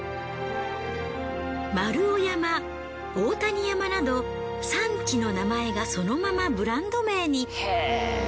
丸尾山大谷山など産地の名前がそのままブランド名に。